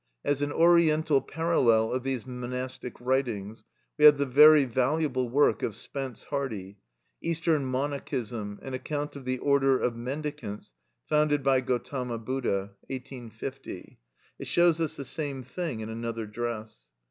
As an Oriental parallel of these monastic writings we have the very valuable work of Spence Hardy, "Eastern Monachism; an Account of the Order of Mendicants founded by Gotama Budha" (1850). It shows us the same thing in another dress.